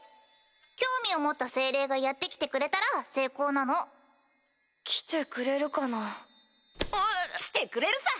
興味を持った精霊がやって来てくれたら成功なの。来てくれるかな。来てくれるさ！